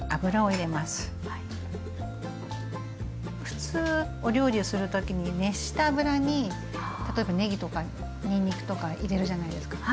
普通お料理をする時に熱した油に例えばねぎとかにんにくとか入れるじゃないですか。